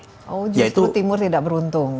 oh justru timur tidak beruntung